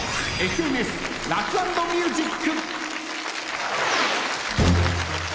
ＦＮＳラフ＆ミュージック。